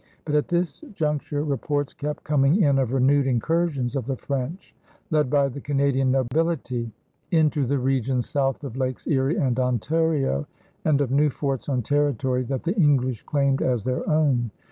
But at this juncture reports kept coming in of renewed incursions of the French, led by the Canadian nobility, into the regions south of Lakes Erie and Ontario, and of new forts on territory that the English claimed as their own.